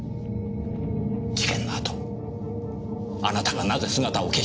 事件のあとあなたがなぜ姿を消してしまったのか。